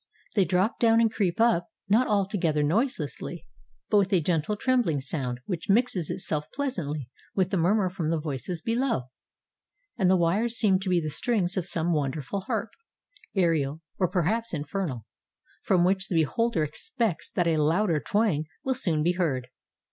They drop down and creep up not altogether noiselessly, but 450 THE DIAMOND FIELDS OF SOUTH AFRICA with a gentle trembling sound which mixes itself pleas antly with the murmur from the voices below. And the wires seem to be the strings of some wonderful harp, — aerial or perhaps infernal, — from which the beholder expects that a louder twang will soon be heard.